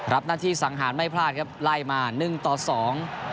รับหน้าที่สังหารไม่พลาดครับไล่มาหนึ่งต่อสอง